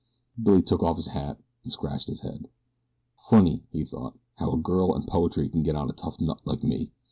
Billy took off his hat and scratched his head. "Funny," he thought, "how a girl and poetry can get a tough nut like me.